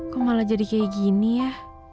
kok malah jadi kayak gini ya